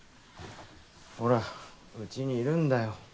ほらうちにいるんだよ。